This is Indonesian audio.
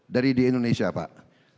dari di indonesia pak